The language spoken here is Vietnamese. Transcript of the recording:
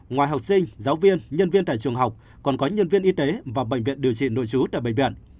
ngoài học sinh giáo viên nhân viên tại trường học còn có nhân viên y tế và bệnh viện điều trị nội chú tại bệnh viện